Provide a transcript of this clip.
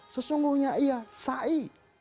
sesungguhnya ia sa'i